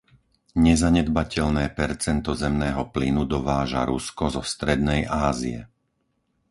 Nezanedbateľné percento zemného plynu dováža Rusko zo Strednej Ázie.